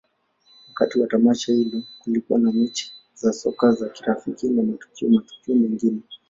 Wakati wa tamasha hilo, kulikuwa na mechi za soka za kirafiki na matukio mengine.